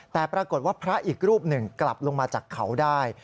แต่ปรากฏว่าพระอีกรูปหนึ่งกลับลงมาจากเขาได้